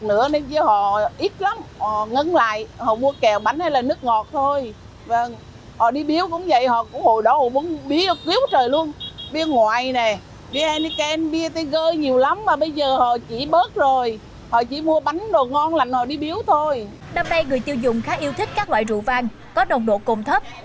năm nay người tiêu dùng khá yêu thích các loại rượu vang có độc độ cùng thấp